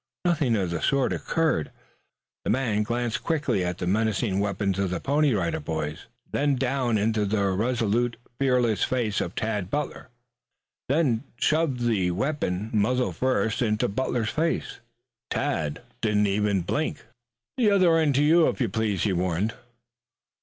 Nothing of the sort occurred. The man glanced quickly at the menacing weapons of the Pony Rider Boys, down into the resolute, fearless face of Tad Butler, then shoved the weapon, muzzle first, into Butler's face. Tad didn't even wink. "The other end to, if you please," he warned.